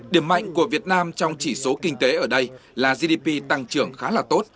điểm mạnh của việt nam trong chỉ số kinh tế ở đây là gdp tăng trưởng khá là tốt